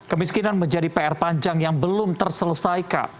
kemiskinan menjadi pr panjang yang belum terselesaikan